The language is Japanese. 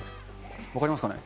分かりますかね。